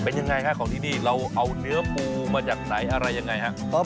เป็นยังไงฮะของที่นี่เราเอาเนื้อปูมาจากไหนอะไรยังไงครับ